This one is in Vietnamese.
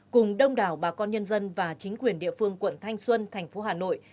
cùng đông đảo bà con nhân dân và chính quyền địa phương quận thành xuân tp hà nội